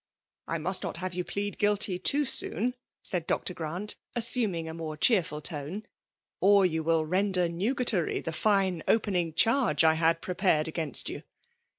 " I must not have you ptead guiliy too soon/' said Dr. Grant, assuming a more ^Ae^ ful tone; " or you will render Bugatofy ibe fine opening charge I had prepared agaiviat you.